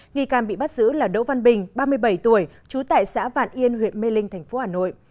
nghi can bị bắt giữ là đỗ văn bình ba mươi bảy tuổi trú tại xã vạn yên huyện mê linh thành phố hà nội